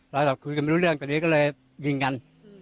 แล้วเราคุยกันไม่รู้เรื่องตอนนี้ก็เลยยิงกัน